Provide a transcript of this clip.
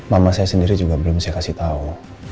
mama saya sendiri juga belum bisa kasih tau